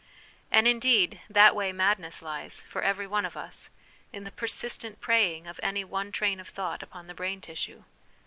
And, indeed, " that way madness lies" for every one of us, in the persistent preying of any one train of thought upon the brain tissue.